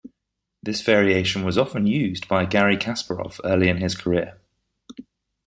This variation was often used by Garry Kasparov early in his career.